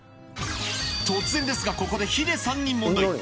突然ですがここでヒデさんに問題。